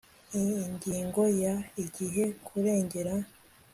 Ingingo ya Igihe kurengera